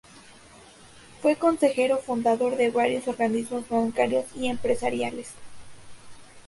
Fue Consejero Fundador de varios organismos bancarios y empresariales.